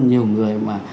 nhiều người mà